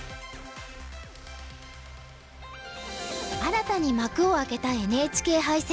新たに幕を開けたＮＨＫ杯戦。